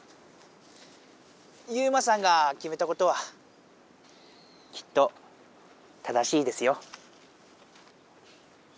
ユウマさんがきめたことはきっと正しいですよ。